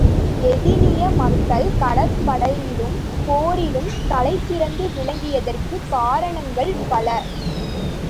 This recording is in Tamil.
எதினிய மக்கள் கடற்படையிலும் போரிலும் தலை சிறந்து விளங்கியதற்குக் காரணங்கள் பல.